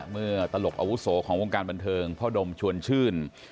ตลกอาวุโสของวงการบันเทิงพ่อดมชวนชื่น